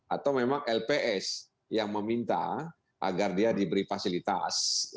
atau memang lps yang meminta agar dia diberi fasilitas